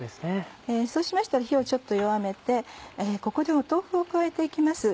そうしましたら火をちょっと弱めてここで豆腐を加えていきます。